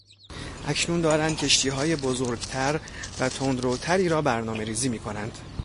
اکنون دارند کشتیهای بزرگتر و تندروتری را برنامه ریزی میکنند.